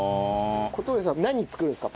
小峠さん何作るんですか？